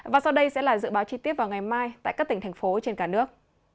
và sau đây sẽ là dự báo chi tiết vào ngày mai tại các tỉnh thành phố trên cả nước